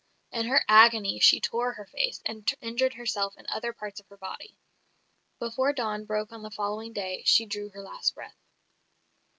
In her agony she tore her face, and injured herself in other parts of her body." Before dawn broke on the following day she drew her last breath.